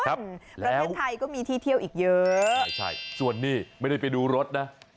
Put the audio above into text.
ประเทศไทยก็มีที่เที่ยวอีกเยอะใช่ใช่ส่วนนี้ไม่ได้ไปดูรถนะ